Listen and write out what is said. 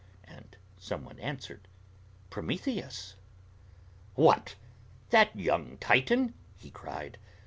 And some one answered, "Prometheus!" "What! that young Titan!" he cried.